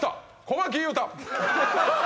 小牧勇太